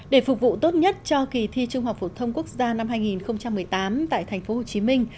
để phục vụ tốt nhất cho kỳ thi trung học phổ thông quốc gia năm hai nghìn một mươi tám tại tp hcm